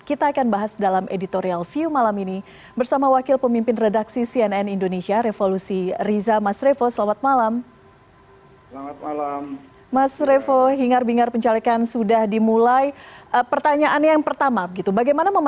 kita akan bahas dalam editorial view malam ini bersama wakil pemimpin redaksi cnn indonesia revolusi riza mas revo selamat malam